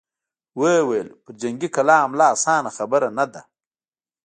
ويې ويل: پر جنګي کلا حمله اسانه خبره نه ده!